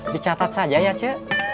dicatat saja ya cie